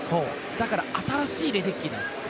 だから新しいレデッキーなんです。